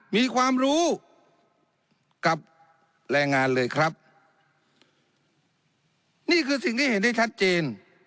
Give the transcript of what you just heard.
มีความรู้กับแรงงานเลยครับนี่คือสิ่งที่เห็นได้ชัดเจน